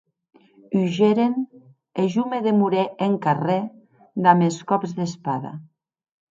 Hugeren, e jo me demorè en carrèr damb es còps d'espada.